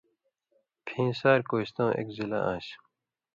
پھیں سار کوستٶں ایک ضِلعہ آن٘سیۡ۔